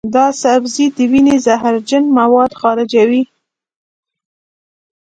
دا سبزی د وینې زهرجن مواد خارجوي.